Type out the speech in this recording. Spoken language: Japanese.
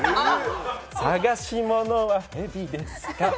捜し物はヘビですか。